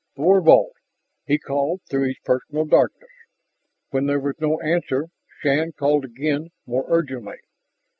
"Thorvald?" He called through his personal darkness. When there was no answer, Shann called again, more urgently.